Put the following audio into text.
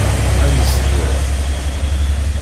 Ad nesder.